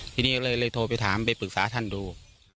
ทีนี้ก็เลยโทรไปถามไปปรึกษาท่านดู